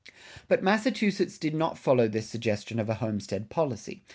But Massachusetts did not follow this suggestion of a homestead policy.